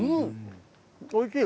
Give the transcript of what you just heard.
おいしい。